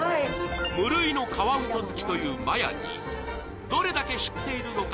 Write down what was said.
無類のカワウソ好きというＭＡＹＡにどれだけ知っているのか